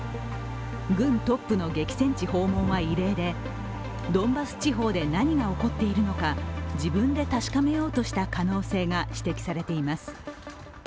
軍トップの激戦地訪問は異例でドンバス地方で何が起こっているのか、自分で確かめようとした可能性が指摘されています。